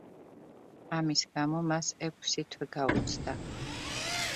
ამის გამო მას ექვსი თვე გაუცდა.